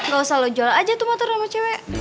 gak usah lo aja tuh motor sama cewek